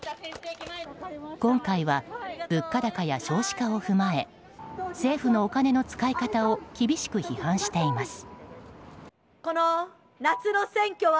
今回は物価高や少子化を踏まえ政府のお金の使い方を厳しく批判しています。